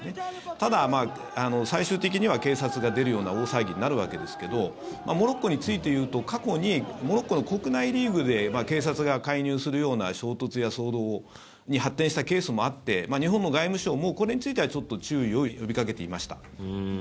ただ、最終的には警察が出るような大騒ぎになるわけですけどモロッコについていうと過去にモロッコの国内リーグで警察が介入するような衝突や騒動に発展したケースもあって日本も外務省もこれについては注意を呼びかけていました。